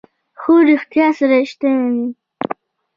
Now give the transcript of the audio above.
خو رښتیا ستړی شوی یم.